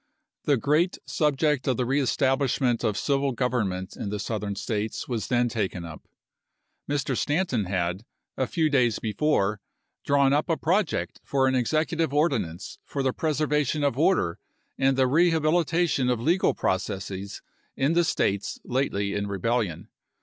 The great subject of the reestablishment of civil government in the Southern States was then taken apli4,i86& up. Mr. Stanton had, a few days before, drawn up a project for an executive ordinance for the preservation of order and the rehabilitation of legal processes in the States lately in rebellion.